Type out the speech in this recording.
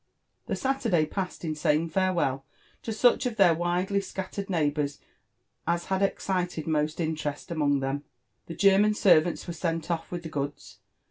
The Saturday passed in saying farewell to such of their widely scat tered oeighbouKS as had excited most interest among them. The Gcr pan servants ware sent off with the goods.